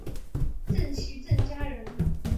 郑琦郑家人。